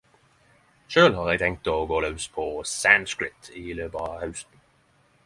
Sjølv har eg tenkt å gå laus på sanskrit i løpet av hausten.